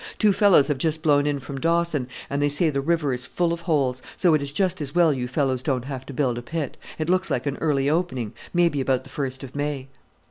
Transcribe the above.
Two fellows have just blown in from Dawson, and they say the river is full of holes; so it is just as well you fellows don't have to build a pit; it looks like an early opening, maybe about the first of May."